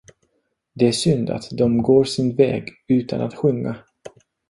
Det är synd, att de går sin väg utan att sjunga.